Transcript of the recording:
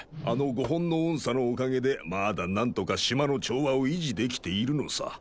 あの５本の音叉のおかげでまだ何とか島の調和を維持できているのさ。